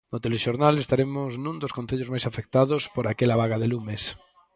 No telexornal estaremos nun dos concellos máis afectados por aquela vaga de lumes.